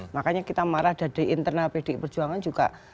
makanya kita marah dari internal pdk perjuangan juga